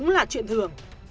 là chuyện thường